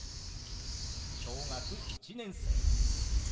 「小学１年生」。